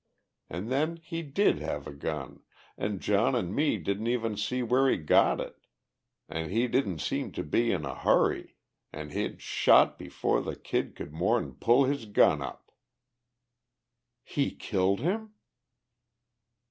An' then he did have a gun, an' John an' me didn't even see where he got it, an' he didn't seem to be in a hurry, an' he'd shot before the Kid could more'n pull his gun up!" "He killed him?"